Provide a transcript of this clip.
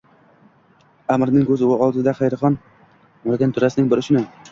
Аmirning koʼz oldida qiyrixon oʼragan durrasining bir uchini